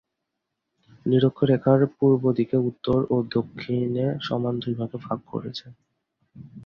নিরক্ষরেখা পৃথিবীকে উত্তর ও দক্ষিণে সমান দুই ভাগে ভাগ করেছে।